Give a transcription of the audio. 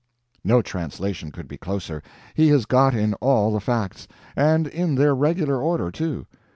No translation could be closer. He has got in all the facts; and in their regular order, too.